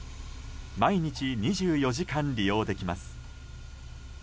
毎日２４時間利用できます。